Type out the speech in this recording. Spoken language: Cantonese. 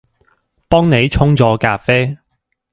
幫你沖咗咖啡